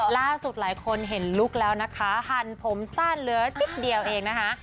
หลายคนเห็นลุคแล้วนะคะหันผมสั้นเหลือจิ๊บเดียวเองนะคะ